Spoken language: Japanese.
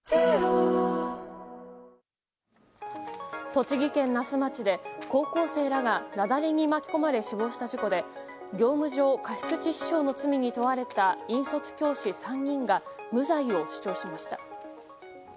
栃木県那須町で高校生らが雪崩に巻き込まれ死亡した事故で業務上過失致死傷の罪に問われた引率教師３人が無罪を主張しました。